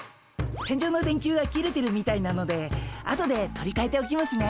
天井の電球が切れてるみたいなので後で取りかえておきますね。